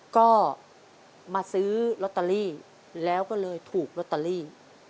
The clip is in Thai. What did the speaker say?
ก็มาซื้อลอตเตอรี่แล้วก็เลยถูกลอตเตอรี่